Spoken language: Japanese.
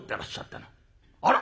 「あら！